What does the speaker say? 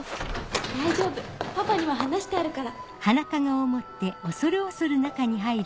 大丈夫パパには話してあるから。